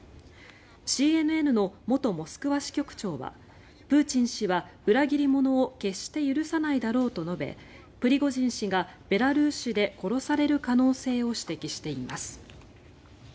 ＣＮＮの元モスクワ支局長はプーチン氏は裏切り者を決して許さないだろうと述べプリゴジン氏がベラルーシで殺される可能性を指摘しています。